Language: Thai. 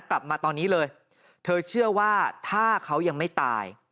กลับมาตอนนี้เลยเธอเชื่อว่าถ้าเขายังไม่ตาย